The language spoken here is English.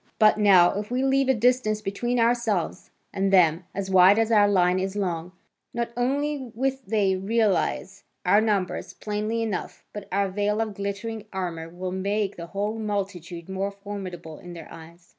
But now, if we leave a distance between ourselves and them as wide as our line is long, not only with they realise our numbers plainly enough, but our veil of glittering armour will make the whole multitude more formidable in their eyes.